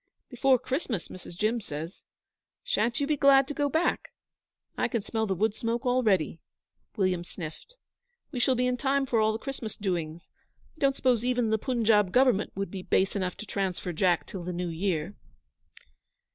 'Before Christmas, Mrs. Jim says. Sha'n't you be glad to go back? I can smell the wood smoke already'; William sniffed. 'We shall be in time for all the Christmas doings. I don't suppose even the Punjab Government would be base enough to transfer Jack till the new year?'